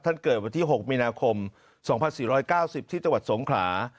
เกิดวันที่๖มีนาคม๒๔๙๐ที่จังหวัดสงขลา